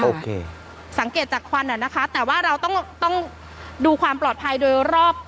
สังเกตจากควันอ่ะนะคะแต่ว่าเราต้องต้องดูความปลอดภัยโดยรอบ